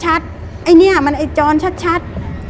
ไอ้เนี่ยมันไอ้จรชัด